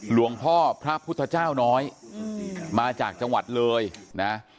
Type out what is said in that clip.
หลวงพ่อพระพุทธเจ้าน้อยมาจากจังหวัดเลยนะ